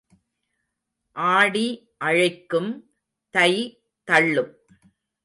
ஆடி அழைக்கும் தை தள்ளும்.